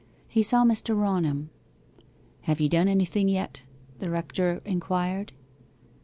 He saw Mr. Raunham. 'Have you done anything yet?' the rector inquired.